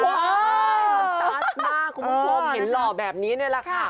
ว้าวมันตัดมากคุณผู้ชมเห็นหล่อแบบนี้เลยค่ะ